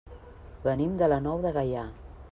Venim de la Nou de Gaià.